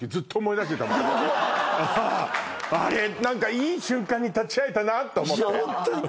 何かいい瞬間に立ち会えたなと思って。